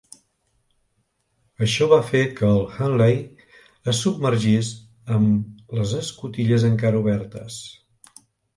Això va fer que el "Hunley" es submergís amb les escotilles encara obertes.